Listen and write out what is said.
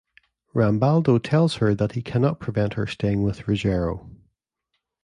Rambaldo tells her that he cannot prevent her staying with Ruggero.